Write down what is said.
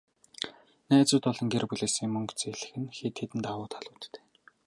Найзууд болон гэр бүлээсээ мөнгө зээлэх нь хэд хэдэн давуу талуудтай.